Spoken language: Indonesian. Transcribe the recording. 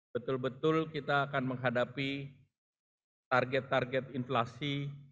betul betul kita akan menghadapi target target inflasi